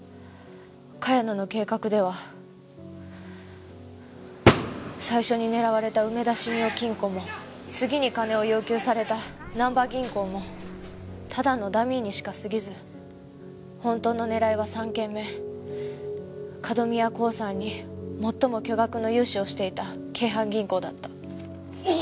茅野の計画では最初に狙われた梅田信用金庫も次に金を要求されたなんば銀行もただのダミーにしか過ぎず本当の狙いは３件目角宮興産に最も巨額の融資をしていた京阪銀行だった。